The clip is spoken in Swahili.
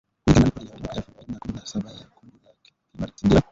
kulingana na ripoti ya mwaka elfu mbili na kumi na saba ya kundi la kimazingira